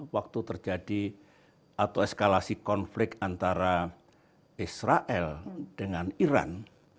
waktu terjadi atau eskalasi konflik antara israel dengan iran